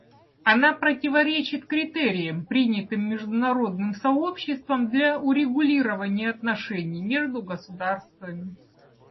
Она противоречит критериям, принятым международным сообществом для урегулирования отношений между государствами.